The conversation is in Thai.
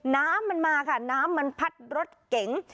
น้ำมันมาค่ะน้ำมันพัดรถเก๋ง